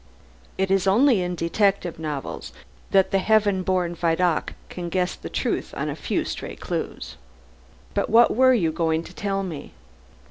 It is only in detective novels that the heaven born Vidocq can guess the truth on a few stray clues. But what were you going to tell me?"